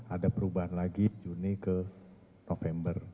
ada perubahan lagi juni ke november